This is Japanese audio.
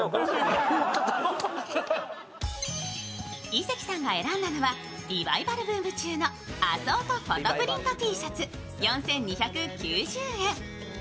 井関さんが選んだのは、リバイバルブーム中のアソートフォトプリントＴシャツ４２９０円。